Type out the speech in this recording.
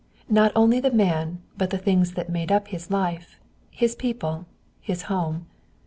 Not only the man, but the things that made up his life his people, his home.